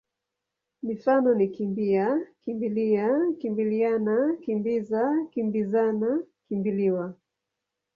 Mifano ni kimbi-a, kimbi-lia, kimbili-ana, kimbi-za, kimbi-zana, kimbi-liwa.